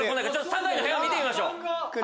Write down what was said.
酒井の部屋を見てみましょう。